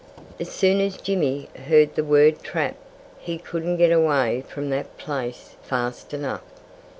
As soon as Jimmy heard the word "trap" he couldn't get away from that place fast enough.